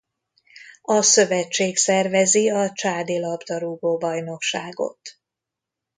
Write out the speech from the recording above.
A szövetség szervezi a Csádi labdarúgó-bajnokságot.